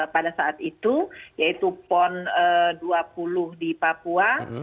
pada saat itu yaitu pon dua puluh di papua